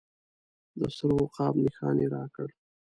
د سره عقاب نښان یې راکړ.